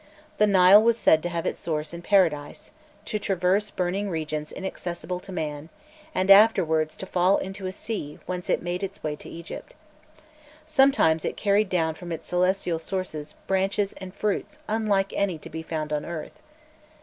The Nile was said to have its source in Paradise, to traverse burning regions inaccessible to man, and afterwards to fall into a sea whence it made its way to Egypt. Sometimes it carried down from its celestial sources branches and fruits unlike any to be found on earth.